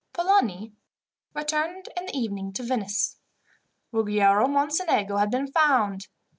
Polani returned in the evening to Venice. Ruggiero Mocenigo had been found.